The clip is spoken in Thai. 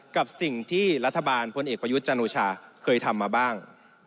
กับสิ่งที่รัฐบาลพลเอกประยุทธ์จันโอชาเคยทำมาบ้าง